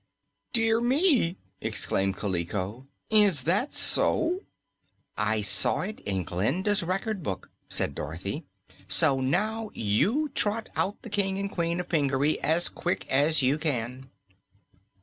"Dear me!" exclaimed Kaliko. "Is that so?" "I saw it in Glinda's Record Book," said Dorothy. "So now you trot out the King and Queen of Pingaree as quick as you can."